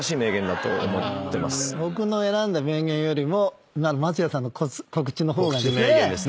僕の選んだ名言よりも松也さんの告知の方が。